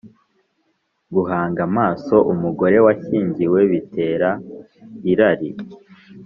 guhanga amaso umugore washyingiwe bitera irari